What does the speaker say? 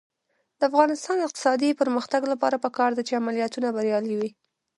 د افغانستان د اقتصادي پرمختګ لپاره پکار ده چې عملیاتونه بریالي وي.